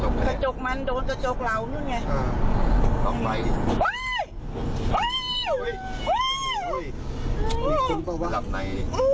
กระจกมันโดนกระจกเรานู่นไง